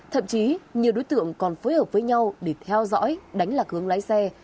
thậm chí nhiều đối tượng còn phối hợp với nhau để theo dõi đánh lạc hướng lái xe